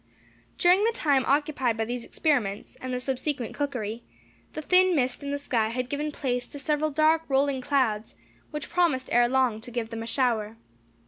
During the time occupied by these experiments, and the subsequent cookery, the thin mist in the sky had given place to several dark rolling clouds, which promised ere long to give them a shower.